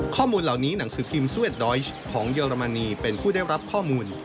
ข้อมูลเหล่านี้หนังสือพิมพ์๑๑ดอยชของเยอรมนีเป็นผู้ได้รับข้อมูล